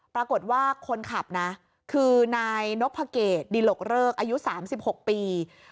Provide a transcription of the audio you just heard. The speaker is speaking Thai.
ปรากฏว่าคนขับนะคือนายนพเกตดิหลกเริกอายุ๓๖ปี